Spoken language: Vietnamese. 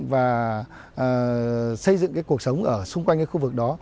và xây dựng cuộc sống ở xung quanh khu vực đó